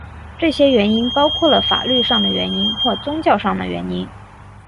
这些原因包括了法律上的原因或宗教上的原因。